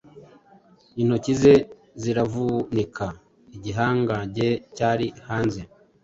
Intoki ze ziravunika igihangange cyari hanze